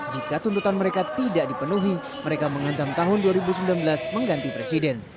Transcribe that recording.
jika tuntutan mereka tidak dipenuhi mereka mengancam tahun dua ribu sembilan belas mengganti presiden